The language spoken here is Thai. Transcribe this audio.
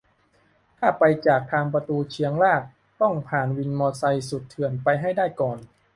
ถ้าไปจากทางประตูเชียงรากต้องผ่านวินมอไซค์สุดเถื่อนไปให้ได้ก่อน